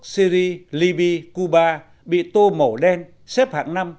syri libya cuba bị tô màu đen xếp hạng năm